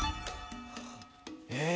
え？